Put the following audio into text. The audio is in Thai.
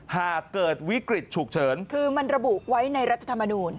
หากเกิดวิกฤตฉุกเฉินคือมันระบุไว้ในรัฐธรรมนูล